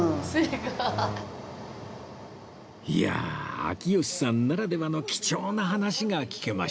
いやあ秋吉さんならではの貴重な話が聞けましたね